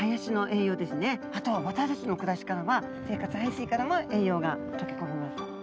あと私たちの暮らしからは生活排水からも栄養が溶け込みます。